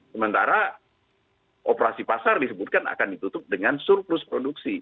sementara operasi pasar disebutkan akan ditutup dengan surplus produksi